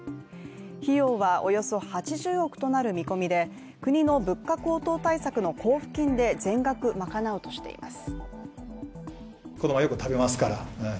費用は、およそ８０億となる見込みで、国の物価高騰対策の交付金で全額まかなうとしています。